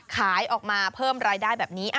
ขายออกมาเพิ่มรายได้แบบนี้